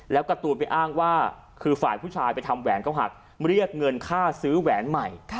แล้วการ์ตูนไปอ้างว่าคือฝ่ายผู้ชายไปทำแหวนเก้าหักเรียกเงินค่าซื้อแหวนใหม่